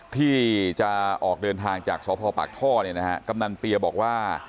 ที่จะออกเดินทางจากสพปากท่อเนี่ยนะฮะกำนันเปียบอกว่า